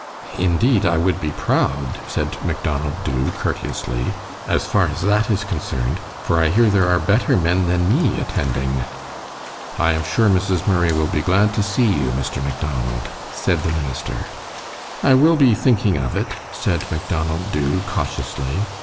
"Indeed, I would be proud," said Macdonald Dubh, courteously, "as far as that is concerned, for I hear there are better men than me attending." "I am sure Mrs. Murray will be glad to see you, Mr. Macdonald," said the minister. "I will be thinking of it," said Macdonald Dubh, cautiously.